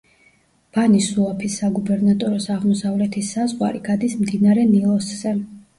ბანი-სუაფის საგუბერნატოროს აღმოსავლეთის საზღვარი გადის მდინარე ნილოსზე.